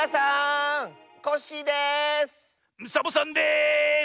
サボさんです！